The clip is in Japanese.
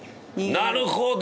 なるほど。